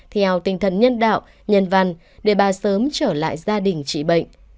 theo tinh thần nhân đạo nhân văn để bà sớm trở lại gia đình trị bệnh